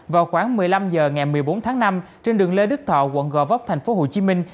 vào khoảng một mươi năm h ngày một mươi bốn tháng năm trên đường lê đức thọ quận gò vấp thành phố hồ chí minh